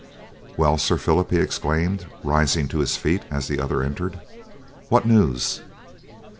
"Well, Sir Phillip," he exclaimed, rising to his feet as the other entered, "what news?"